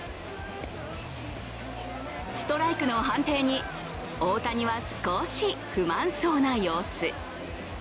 ストライクの判定に大谷は少し不満そうな様子。